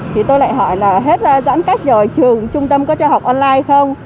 thì tôi lại hỏi là hết giãn cách rồi trường trung tâm có cho học online không